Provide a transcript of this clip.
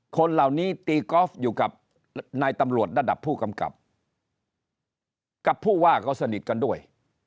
คนเหล่านี้ตีกอล์ฟอยู่กับนายตำรวจระดับผู้กำกับกับผู้ว่าก็สนิทกันด้วย